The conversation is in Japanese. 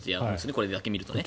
これだけ見ると。